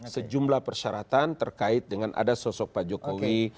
sejumlah persyaratan terkait dengan ada sosok pak jokowi